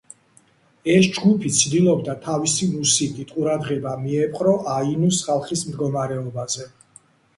ეს ჯგუფი ცდილობდა თავისი მუსიკით ყურადღება მიეპყრო აინუს ხალხის მდგომარეობაზე.